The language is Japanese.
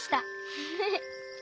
フフフ。